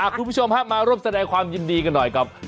คุณผู้ชมมาร่วมแสดงความยินดีกันหน่อยกับ